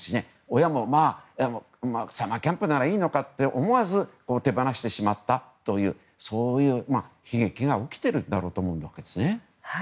親も、まあサマーキャンプならいいのかと思わず手放してしまったというそういう悲劇が起きていると思うんですね。